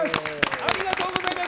ありがとうございます。